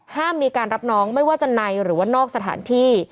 ห้ามมีการรับน้องไม่ว่าจะในหรือว่านอกสถานที่